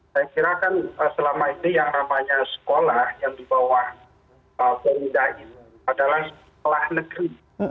saya kira kan selama ini yang namanya sekolah yang di bawah perlinda ini adalah sekolah negeri